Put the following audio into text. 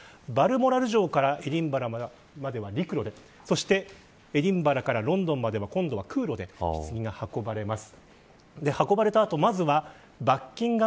バルモラル城からエディンバラまでは陸路でエディンバラからロンドンまでは今度は空路でひつぎが運ばれます。